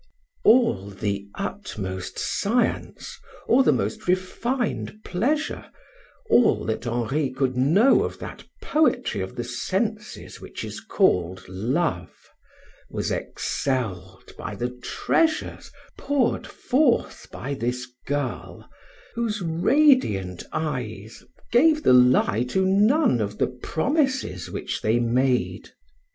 All the utmost science or the most refined pleasure, all that Henri could know of that poetry of the senses which is called love, was excelled by the treasures poured forth by this girl, whose radiant eyes gave the lie to none of the promises which they made.